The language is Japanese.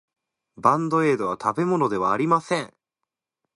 バンドエードは食べ物ではありません。